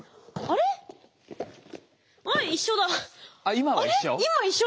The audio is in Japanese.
今は一緒？